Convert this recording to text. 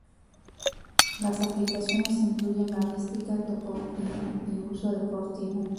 Las aplicaciones incluyen balística, topografía y uso deportivo.